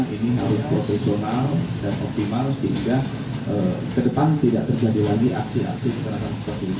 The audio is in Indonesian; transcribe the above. ini harus profesional dan optimal sehingga ke depan tidak terjadi lagi aksi aksi kekerasan seperti ini